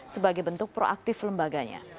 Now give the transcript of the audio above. sebagai bentuk proaktif lembaganya